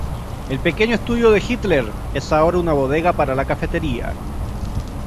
El pequeño estudio de Hitler es ahora una bodega para la cafetería.